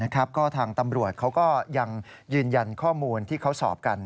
ก็ทางตำรวจเขาก็ยังยืนยันข้อมูลที่เขาสอบกัน